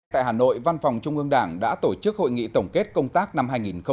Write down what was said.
tại hà nội văn phòng trung ương đảng đã tổ chức hội nghị tổng kết công tác năm hai nghìn một mươi chín